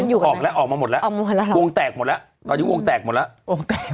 ออกมาหมดแล้วออกมาหมดแล้วหรอวงแตกหมดแล้วตอนนี้วงแตกหมดแล้ว